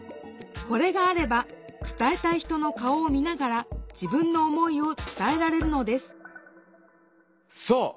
これがあれば伝えたい人の顔を見ながら自分の思いを伝えられるのですそう！